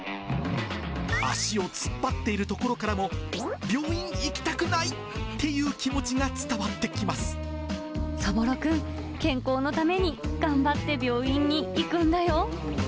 足を突っ張っているところからも、病院行きたくないっていうそぼろくん、健康のために頑張って病院に行くんだよ。